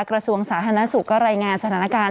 กระทรวงสาธารณสุขก็รายงานสถานการณ์